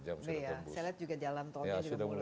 saya lihat juga jalan tolnya sudah mulai semuanya